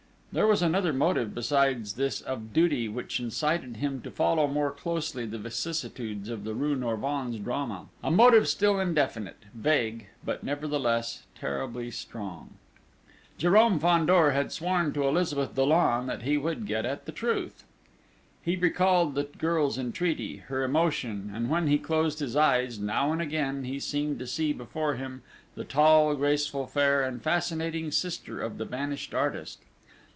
There was another motive besides this of duty which incited him to follow more closely the vicissitudes of the rue Norvins drama, a motive still indefinite, vague, but nevertheless terribly strong.... Jérôme Fandor had sworn to Elizabeth Dollon that he would get at the truth. He recalled the girl's entreaty, her emotion; and when he closed his eyes, now and again, he seemed to see before him the tall, graceful, fair and fascinating sister of the vanished artist....